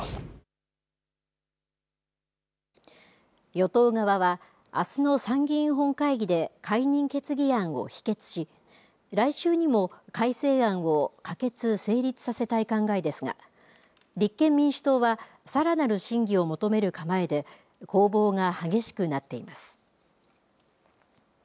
与党側はあすの参議院本会議で解任決議案を否決し来週にも改正案を可決成立させたい考えですが立憲民主党はさらなる審議を求める構えで攻防が激しくなっています。